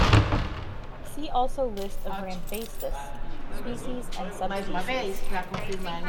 See also List of Ramphastos species and subspecies.